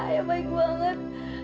ayah baik banget